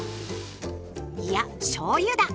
いやしょうゆだ！